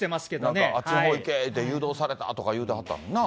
なんかあっちのほういけって誘導されたって言うてはったもんな。